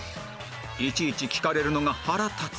いちいち聞かれるのが腹立つ